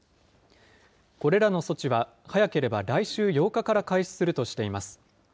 これらの措置は、早ければ来週８日から開始するとしています。